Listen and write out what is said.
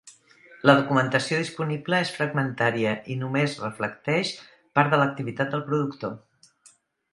La documentació disponible és fragmentària i només reflecteix part de l'activitat del productor.